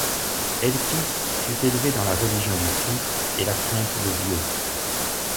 Elpis fut élevée dans la religion du Christ et la crainte de Dieu.